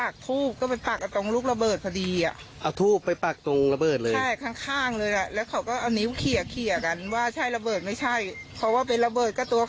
คุณผู้ชมไปดูคลิปนี้กันก่อนค่ะ